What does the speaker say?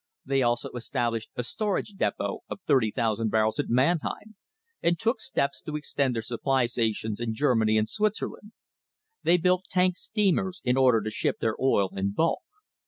They also established a storage depot of 30,000 barrels at Mannheim, and took steps to extend their supply stations in Germany and Switzerland. They built tank steamers in order to ship their oil in bulk.